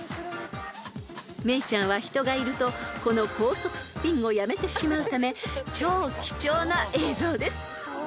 ［メイちゃんは人がいるとこの高速スピンをやめてしまうため超貴重な映像です］